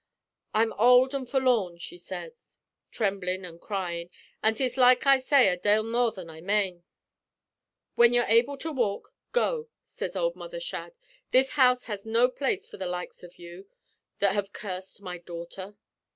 "'I'm old an' forlorn,' she sez, tremblin' an' cryin', 'an' 'tis like I say a dale more than I mane.' "'When you're able to walk go,' says ould Mother Shadd. 'This house has no place for the likes av you, that have cursed my daughter.'